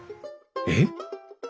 えっ？